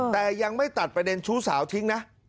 แต่ยังไม่ตัดประเด็นชู้สาวทิ้งนะ